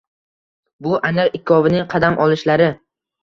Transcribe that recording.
Bu aniq ikkovining qadam olishlari